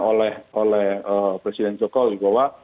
oleh presiden jokowi bahwa